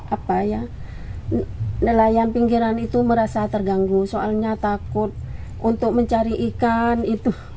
apa ya nelayan pinggiran itu merasa terganggu soalnya takut untuk mencari ikan itu